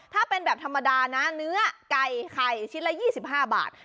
ถ้าเป็นแบบธรรมดานะเนื้อไก่ไข่ชิ้นละ๒๕บาท